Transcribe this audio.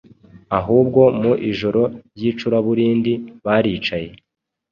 Ahubwo mu ijoro ry’icuraburindi baricaye